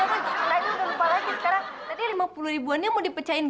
nah ini udah lupa lagi sekarang tadi lima puluh ribuannya mau dipecahin di